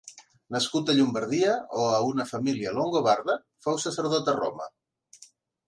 Nascut a Llombardia o a una família longobarda, fou sacerdot a Roma.